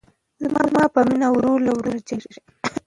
زما په مینه ورور له ورور سره جنګیږي